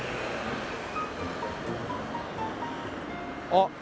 あっ。